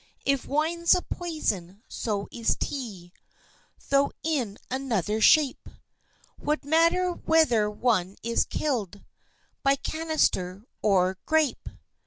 If wine's a poison, so is Tea, Though in another shape: What matter whether one is kill'd By canister or grape!"